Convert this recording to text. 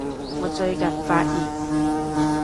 我最近發現